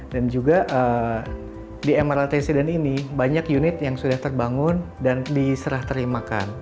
dan juga di emirate presiden ini banyak unit yang sudah terbangun dan diserah terimakan